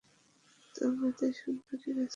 তোমাদের সুন্দরী রাজকন্যা।